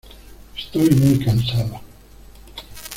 Estoy muy cansada.